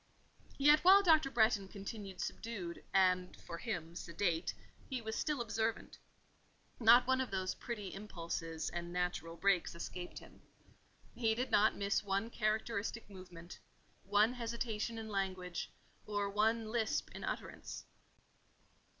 Yet while Dr. Bretton continued subdued, and, for him, sedate, he was still observant. Not one of those petty impulses and natural breaks escaped him. He did not miss one characteristic movement, one hesitation in language, or one lisp in utterance.